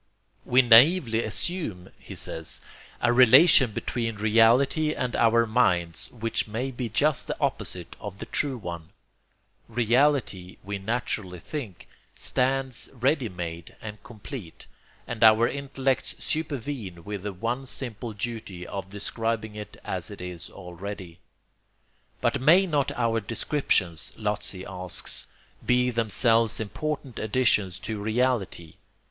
We naively assume, he says, a relation between reality and our minds which may be just the opposite of the true one. Reality, we naturally think, stands ready made and complete, and our intellects supervene with the one simple duty of describing it as it is already. But may not our descriptions, Lotze asks, be themselves important additions to reality?